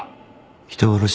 人殺し。